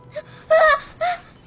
ああ。